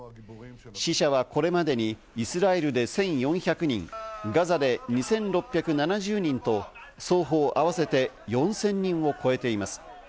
死者はこれまでにイスラエルで１４００人、ガザで２６００人と双方合わせて４０００人を超えています。